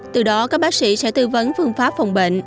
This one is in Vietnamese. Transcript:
từ đó các bác sĩ sẽ tư vấn phương pháp phòng bệnh